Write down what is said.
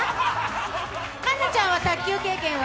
環奈ちゃんは卓球経験は？